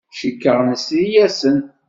Cikkeɣ nesri-asen.